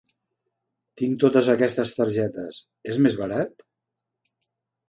Tinc totes aquestes targetes, és més barat?